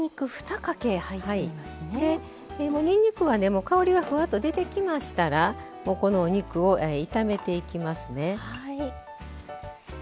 にんにくは香りがふわっと出てきましたらこのお肉を炒めていきますね。